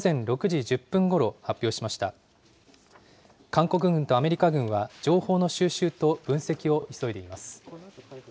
韓国軍とアメリカ軍は、情報の収集と分析を急いでいます。